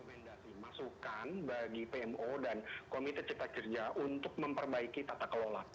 pemerintah sudah memasukkan bagi pmo dan komite cipta kerja untuk memperbaiki tata kelola